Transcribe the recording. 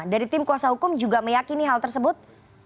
dari tim kuasa hukum juga meyakini hal tersebut